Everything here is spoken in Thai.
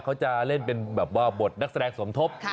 เขาจะเล่นเป็นบทนักแสดงสมทบ